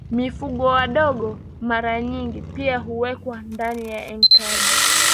Mifugo wadogo mara nyingi pia huwekwa ndani ya enkaji